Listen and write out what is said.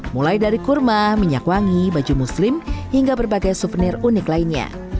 mulai dari kurma minyak wangi baju muslim hingga berbagai souvenir unik lainnya